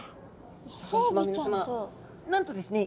なんとですね